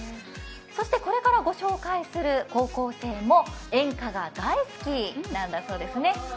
そしてこれからご紹介する高校生も演歌が大好きなんだそうですね。